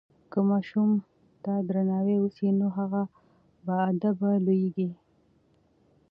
که ماشوم ته درناوی وسي نو هغه باادبه لویېږي.